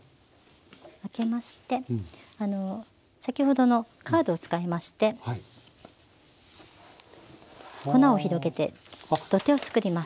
あけまして先ほどのカードを使いまして粉を広げて土手を作ります。